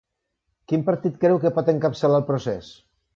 Quin partit creu que pot encapçalar el Procés?